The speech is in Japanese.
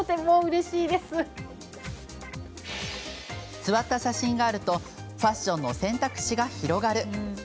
座った写真があるとファッションの選択肢が広がる。